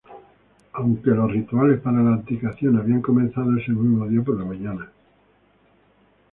Aunque los rituales para la abdicación habían comenzado ese mismo día por la mañana.